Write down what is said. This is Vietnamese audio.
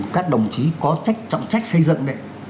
các đồng chí có trọng trách xây dựng đấy